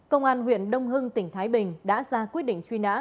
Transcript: công an huyện đông hưng tỉnh thái bình đã ra quyết định truy nã